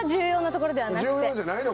重要じゃないの？